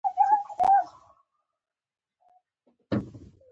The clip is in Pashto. په خوږیاڼي کې د خلکو خپلواکي او کارکولو امکانات ډېر شوي دي.